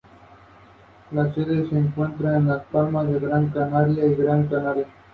Dadas estas circunstancias, no ve muchos minutos en el primer semestre de este año.